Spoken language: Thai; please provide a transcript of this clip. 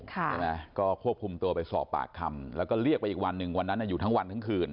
ควบคุมตัวไปสอบปากคำเรียกไปอีกวันหนึ่งวันนั้นอยู่ทั้งวันทั้งคืน